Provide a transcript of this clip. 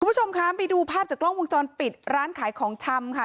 คุณผู้ชมคะไปดูภาพจากกล้องวงจรปิดร้านขายของชำค่ะ